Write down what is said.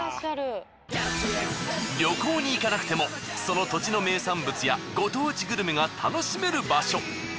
旅行に行かなくてもその土地の名産物やご当地グルメが楽しめる場所。